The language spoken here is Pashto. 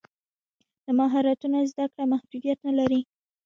د مهارتونو زده کړه محدودیت نه لري.